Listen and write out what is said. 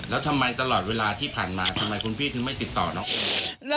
แล้วทำไมตลอดเวลาที่ผ่านมาทำไมคุณพี่ถึงไม่ติดต่อน้องโอ